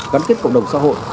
gắn kết cộng đồng xã hội